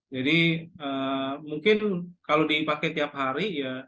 jadi mungkin kalau dipakai tiap hari